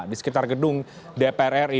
di sekitar gedung dpr ri